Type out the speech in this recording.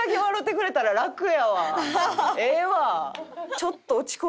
ええわ。